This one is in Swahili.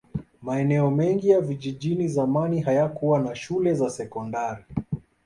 maeneo mengi ya vijijini zamani hayakuwa na shule za sekondari